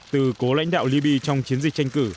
từ cố lãnh đạo liby trong chiến dịch tranh cử